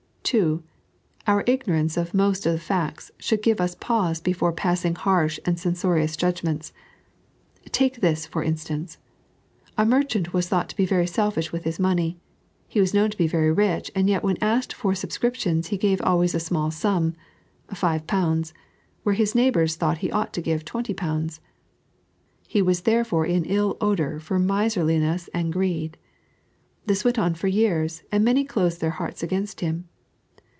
(2) Our ignorance of most of Ihe facts should give us pause before passing harsh and censorious judgmeute. Take this, for instance : A merchant whs thought to be very selfish with his money. He was known to be very rich, and yet w~ en asked for subscriptions he gave always a small sum {£>) where his neighbours thought he ought to give X20. He was therefore in ill odour for miserliness and greed. This went on for yeai's, and many closed their hearte a^nst him.